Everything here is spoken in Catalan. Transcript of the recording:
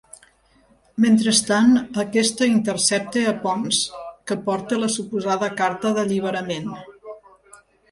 Mentrestant, aquesta intercepta a Ponç, que porta la suposada carta d'alliberament.